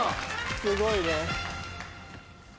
すごいね。